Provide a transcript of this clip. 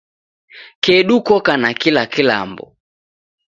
Kedu koka na kila kilambo